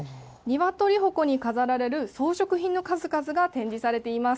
鶏鉾に飾られる装飾品の数々が展示されています。